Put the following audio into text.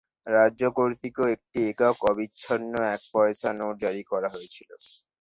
রাজ্য কর্তৃক একটি একক, অবিচ্ছিন্ন এক পয়সা নোট জারি করা হয়েছিল।